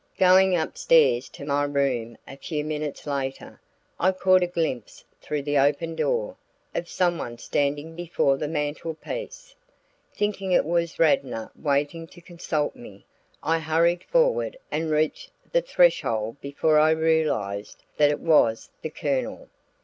Going upstairs to my room a few minutes later, I caught a glimpse through the open door, of someone standing before the mantelpiece. Thinking it was Radnor waiting to consult me, I hurried forward and reached the threshold before I realized that it was the Colonel.